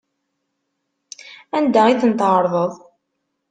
Anda i ten-tɛerḍeḍ?